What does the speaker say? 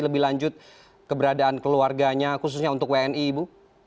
lebih lanjut keberadaan keluarganya khususnya untuk wni ibu